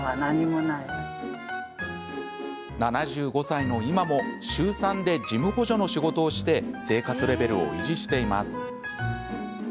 ７５歳の今も週３で事務補助の仕事をして生活レベルを維持しています。